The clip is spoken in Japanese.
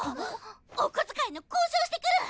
お小遣いの交渉してくる！